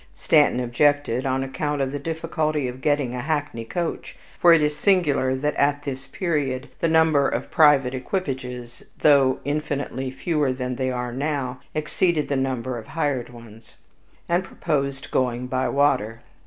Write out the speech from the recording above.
Stanton objected, on account of the difficulty of getting a hackney coach (for it is singular that at this period the number of private equipages, though infinitely fewer than they are now, exceeded the number of hired ones), and proposed going by water.